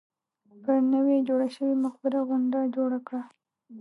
پر نوې جوړه شوې مقبره غونډه جوړه کړه.